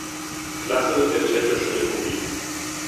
Klasse der Tschechischen Republik.